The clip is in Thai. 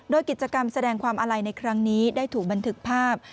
โดยกิจกรรมแสดงความอาลัยในครั้งนี้ได้ถูกบันทึกภาพ